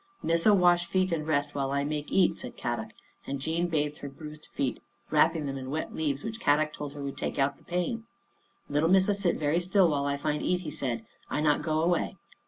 " Missa wash feet and rest while I make eat," said Kadok, and Jean bathed her bruised feet, wrapping them in wet leaves, which Kadok told her would take out the pain. " Little Missa sit very still while I find eat," he said. " I not go away."